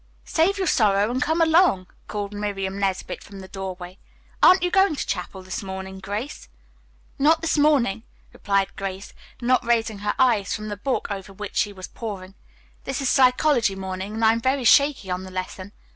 "Save your sorrow and come along," called Miriam Nesbit from the doorway. "Aren't you going to chapel this morning, Grace?" "Not this morning," replied Grace, not raising her eyes from the book over which she was poring. "This is psychology morning and I'm very shaky on the lesson.